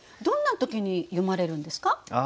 どんな時に詠まれるんですか？